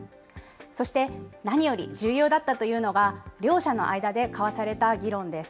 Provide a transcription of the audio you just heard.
そして、何より重要だったというのが、両者の間で交わされた議論です。